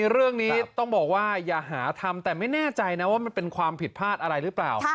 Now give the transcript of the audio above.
เรื่องนี้ต้องบอกว่าอย่าหาทำแต่ไม่แน่ใจนะว่ามันเป็นความผิดพลาดอะไรหรือเปล่า